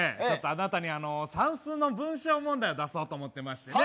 あなたに算数の文章文題を出そうと思ってましてね